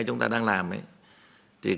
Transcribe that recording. thì chúng ta sẽ không có thể sử dụng nhà trung cư